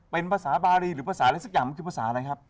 เป็นภาษาบารีหรือภาษาอะไรสักอย่างมันคือภาษาอะไรครับ